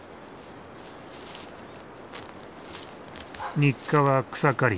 日課は草刈り。